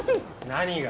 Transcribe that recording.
何が？